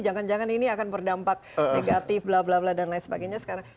jangan jangan ini akan berdampak negatif bla bla bla dan lain sebagainya sekarang